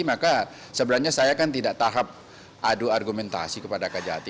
maka sebenarnya saya kan tidak tahap adu argumentasi kepada kejati